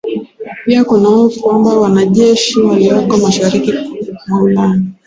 Pia kuna hofu kwamba wanajeshi walioko mashariki mwa Ulaya